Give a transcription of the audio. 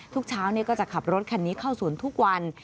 ทุกเช้าก็จะขับรถคันนี้เข้าสวนทุกวัน